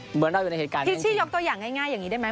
เชฟภาษาเกมพลิกยอกตัวอย่างง่ายอย่างงี้ได้ไหม